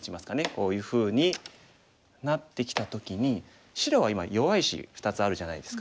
こういうふうになってきた時に白は今弱い石２つあるじゃないですか。